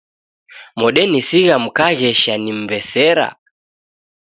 Modenisigha mkaghesha nimmbesera.